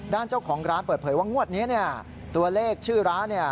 ด้านเจ้าของร้านเปิดเผยว่างวดนี้เนี่ยตัวเลขชื่อร้านเนี่ย